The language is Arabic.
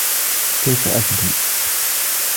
كيف أبدو؟